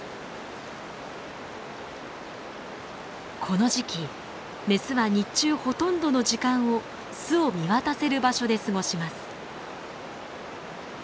この時期メスは日中ほとんどの時間を巣を見渡せる場所で過ごします。